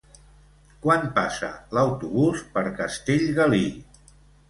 Quan passa l'autobús per Castellgalí?